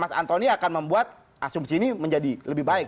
mas antoni akan membuat asumsi ini menjadi lebih baik